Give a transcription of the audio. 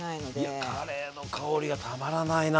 いやカレーの香りがたまらないな。